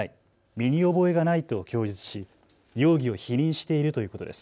身に覚えがないと供述し容疑を否認しているということです。